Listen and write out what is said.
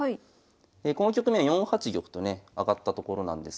この局面４八玉とね上がったところなんですが。